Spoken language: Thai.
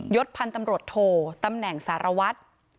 ศพันธ์ตำรวจโทตำแหน่งสารวัตร